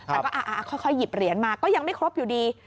แต่ก็ค่อยหยิบเหรียญมาก็ยังไม่ครบอยู่ดี